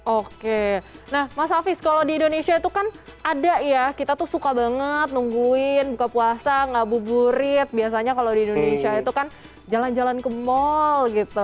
oke nah mas hafiz kalau di indonesia itu kan ada ya kita tuh suka banget nungguin buka puasa ngabuburit biasanya kalau di indonesia itu kan jalan jalan ke mall gitu